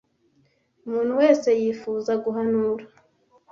Umuntu wese yifuza guhanura?